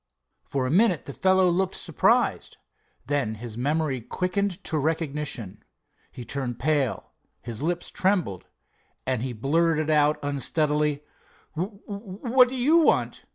For a minute the fellow looked surprised. Then his memory quickened to recognition. He turned pale, his lips trembled, and he blurted out unsteadily: "W—what do you want?"